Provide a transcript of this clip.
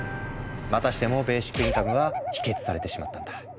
またしてもベーシックインカムは否決されてしまったんだ。